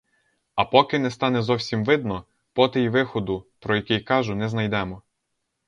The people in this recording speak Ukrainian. А поки не стане зовсім видно, поти й виходу, про який кажу, не знайдемо.